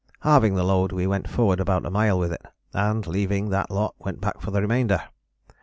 Halving the load we went forward about a mile with it, and, leaving that lot, went back for the remainder.